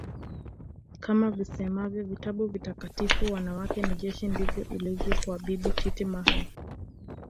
Kama visemavyo vitabu vitakatifu wanawake ni jeshi ndivyo ilivyo kwa Bibi Titi Mohamed